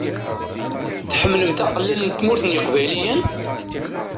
Tḥemmlemt aqellal n Tmurt n yeqbayliyen?